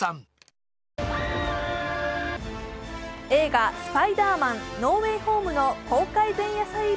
映画「スパイダーマン：ノー・ウェイ・ホーム」の公開前夜祭